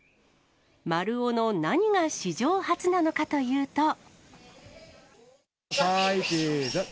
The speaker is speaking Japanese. マルオの何が史上初なのかとはい、チーズ。